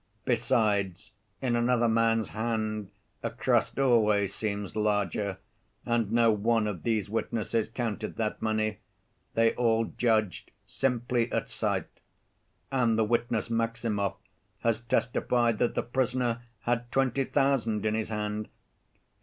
Besides, in another man's hand a crust always seems larger, and no one of these witnesses counted that money; they all judged simply at sight. And the witness Maximov has testified that the prisoner had twenty thousand in his hand.